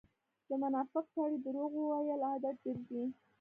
د منافق سړی درواغ وويل عادت ګرځئ.